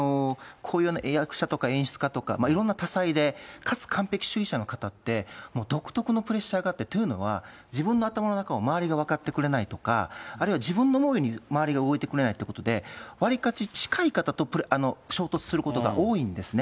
こういう役者とか演出家とか、いろんな多彩で、かつ完璧主義者の方って、独特のプレッシャーがあって、というのは、自分の頭の中を周りが分かってくれないとか、あるいは自分の思うように周りが動いてくれないってことで、わりかし近い方と衝突することが多いんですね。